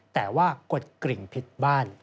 แต่ว่ากดกริ่งผิดบ้าน